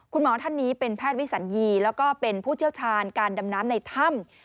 คุณหมอท่านนี้เป็นแพทย์วิสัญญีแล้วก็เป็นผู้เชี่ยวชาญการดำน้ำในถ้ำ